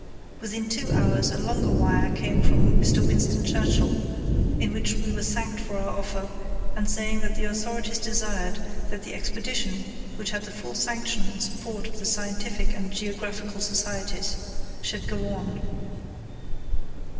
Within two hours a longer wire came from Mr. Winston Churchill, in which we were thanked for our offer, and saying that the authorities desired that the Expedition, which had the full sanction and support of the Scientific and Geographical Societies, should go on.